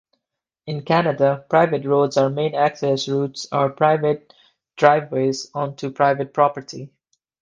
In Canada private roads are main access routes or private driveways onto private property.